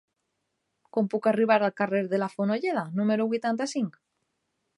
Com puc arribar al carrer de la Fonolleda número vuitanta-cinc?